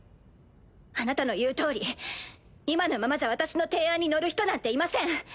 あなたの言うとおり今のままじゃ私の提案に乗る人なんていません。